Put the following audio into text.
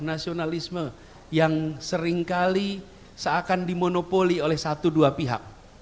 nasionalisme yang seringkali seakan dimonopoli oleh satu dua pihak